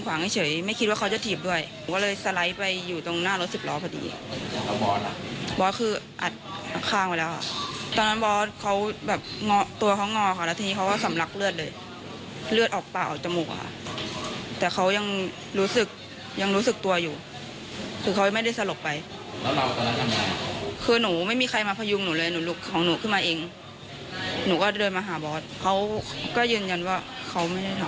ไปฟังเสียงแฟนของผู้เสียชีวิตกันหน่อยค่ะ